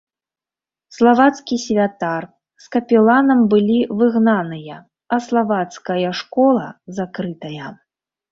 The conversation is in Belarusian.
Славацкі святар з капеланам былі выгнаныя, а славацкая школа закрытая.